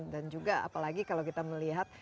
dan juga apalagi kalau kita melihat